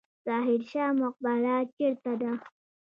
ظاهر شاه مقبره چیرته ده؟